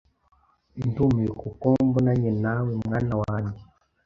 Ndumiwe kuko mbonanye nawe, mwana wanjye